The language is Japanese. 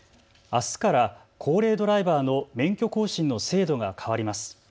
あすから高齢ドライバーの免許更新の制度が変わります。